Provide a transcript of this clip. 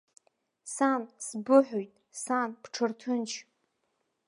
Сан, сбыҳәоит, сан, бҽырҭынч!